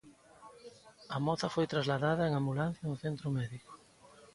A moza foi trasladada en ambulancia a un centro médico.